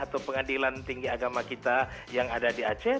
atau pengadilan tinggi agama kita yang ada di aceh